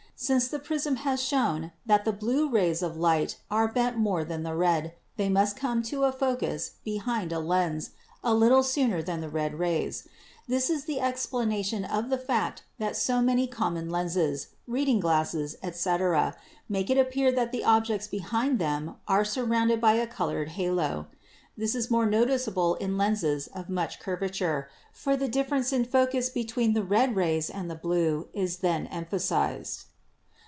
Since the prism has shown that the blue rays of light are bent more than the red, they must come to a focus behind a lens a little sooner than the red rays. This is the explanation of the fact that so manyj common lenses, reading glasses, etc., make it appear that the objects behind them are surrounded with a colored halo. This is more noticeable in lenses of much curvature, for the difference in focus between the red rays and the blue is then emphasized.